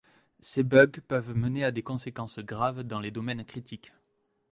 Ces bugs peuvent mener à des conséquences graves dans les domaines critiques.